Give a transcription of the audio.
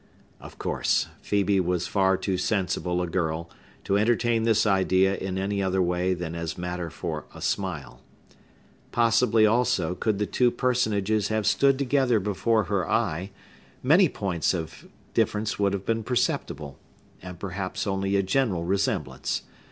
Of course, Phœbe was far too sensible a girl to entertain this idea in any other way than as matter for a smile. Possibly, also, could the two personages have stood together before her eye, many points of difference would have been perceptible, and perhaps only a general resemblance.